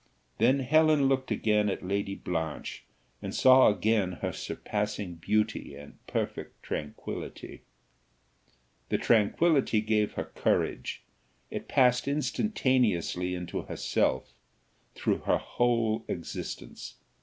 Then Helen looked again at Lady Blanche, and saw again her surpassing beauty and perfect tranquillity. The tranquillity gave her courage, it passed instantaneously into herself, through her whole existence.